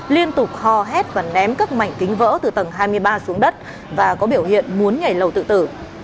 liên tục kho hét và ném các mảnh kính vỡ từ tầng hai mươi ba xuống đất và có biểu hiện muốn nhảy lầu tự tử